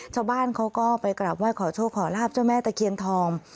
ชาวบ้านเขาก็ไปกลับว่าขอโชคขอแล้วครับเจ้าแม่ตะเคียนทอง